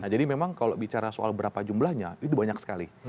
nah jadi memang kalau bicara soal berapa jumlahnya itu banyak sekali